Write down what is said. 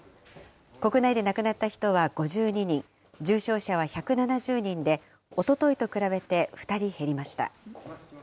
国内で亡くなった人は５２人、重症者は１７０人で、おとといと比べて２人減りました。